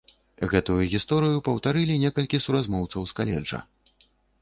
Гэтую гісторыю паўтарылі некалькі суразмоўцаў з каледжа.